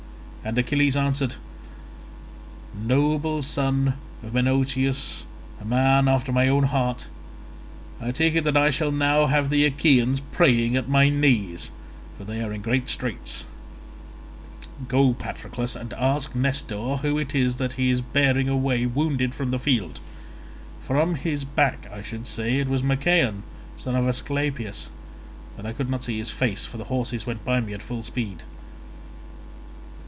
And Achilles answered, "Noble son of Menoetius, man after my own heart, I take it that I shall now have the Achaeans praying at my knees, for they are in great straits; go, Patroclus, and ask Nestor who it is that he is bearing away wounded from the field; from his back I should say it was Machaon son of Aesculapius, but I could not see his face for the horses went by me at full speed."